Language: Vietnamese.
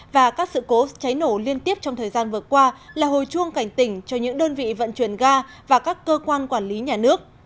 và các sự cố cháy nổ liên tiếp trong thời gian vừa qua là hồi chuông cảnh tỉnh cho những đơn vị vận chuyển ga và các cơ quan quản lý nhà nước